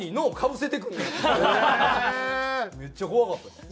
めっちゃ怖かったです。